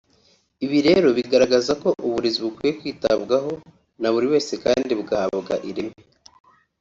Ibi rero bigaragaza ko uburezi bukwiye kwitabwaho na buri wese kandi bugahabwa ireme